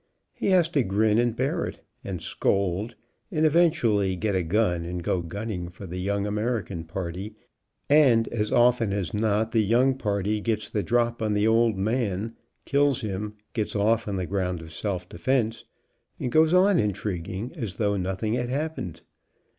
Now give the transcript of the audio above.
He has to grin 136 THE SULTAN DROWNS WIVES and bear it, and scold, and eventually get a gun and go gunning for the young American party, and as often as not the young party gets the drop on the old man, kills him, gets off on the ground of self defense, and goes on intriguing as though nothing He has her stand aside. had happened.